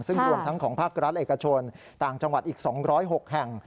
ซึ่งรวมทั้งของภาครัฐเอกชนต่างจังหวัดอีก๒๐๖แห่ง